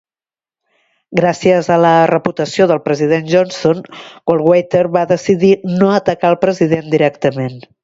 Gràcies a la reputació del president Johnson, Goldwater va decidir no atacar el president directament.